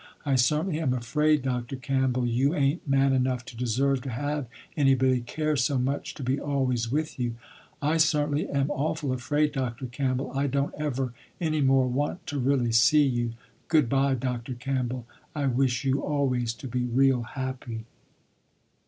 I certainly am afraid Dr. Campbell you ain't man enough to deserve to have anybody care so much to be always with you. I certainly am awful afraid Dr. Campbell I don't ever any more want to really see you. Good by Dr. Campbell I wish you always to be real happy."